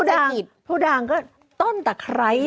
อ้าวภูด่างก็ต้นตะไคร้ดิสิ